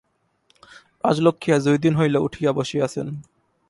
রাজলক্ষ্মী আজ দুইদিন হইল উঠিয়া বসিয়াছেন।